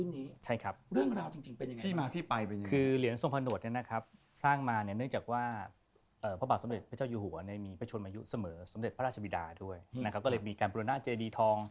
มีเหรียญทรงพนวทธ์หลายต่อหลายรุ่นจริง